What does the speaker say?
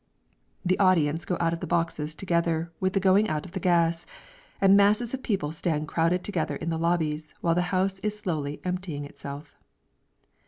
The audience go out of the boxes together with the going out of the gas, and masses of people stand crowded together in the lobbies, while the house is slowly emptying itself.